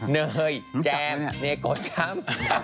เนยแจ้มเนโกจำ